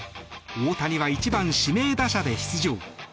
大谷は１番、指名打者で出場。